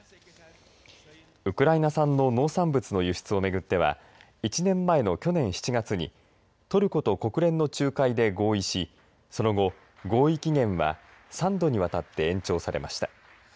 ウクライナ産の農産物の輸出を巡っては１年前の去年７月にトルコと国連の仲介で合意しその後、合意期限は３度にわたって延長されました。